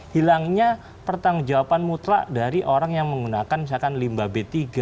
hilangnya pertanggung jawaban mutlak dari orang yang menggunakan misalkan limbah b tiga